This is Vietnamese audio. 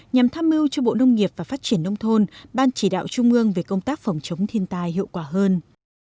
nhằm tham mưu cho bộ nông nghiệp và phát triển nông thôn ban chỉ đạo trung ương về công tác phòng chống thiên tai hiệu quả hơn